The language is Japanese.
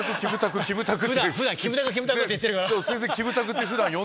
普段「キムタク」って言ってるから。